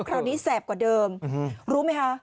คราวนี้แสบกว่าเดิมรู้ไหมคะ